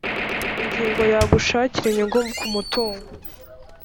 ingingo ya gushakira inyungu kumutungo